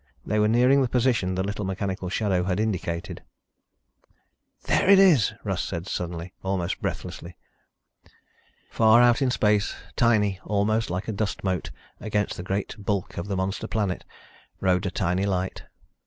They were nearing the position the little mechanical shadow had indicated. "There it is," said Russ suddenly, almost breathlessly. Far out in space, tiny, almost like a dust mote against the great bulk of the monster planet, rode a tiny light.